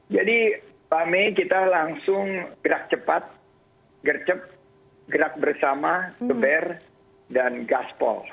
jadi pak mei kita langsung gerak cepat gercep gerak bersama geber dan gaspol